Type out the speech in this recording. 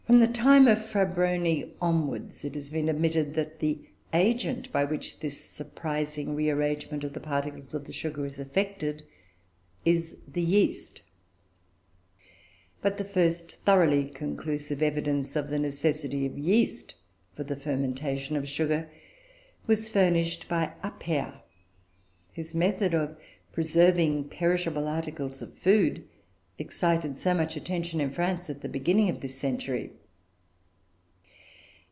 From the time of Fabroni, onwards, it has been admitted that the agent by which this surprising rearrangement of the particles of the sugar is effected is the yeast. But the first thoroughly conclusive evidence of the necessity of yeast for the fermentation of sugar was furnished by Appert, whose method of preserving perishable articles of food excited so much attention in France at the beginning of this century.